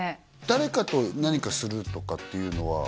誰かと何かするとかっていうのは？